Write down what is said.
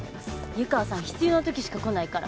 湯川さん必要なときしか来ないから。